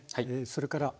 それから。